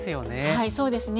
はいそうですね。